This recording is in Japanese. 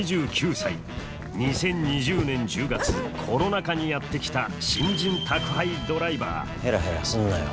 ２０２０年１０月コロナ禍にやって来た新人宅配ドライバーヘラヘラすんなよ。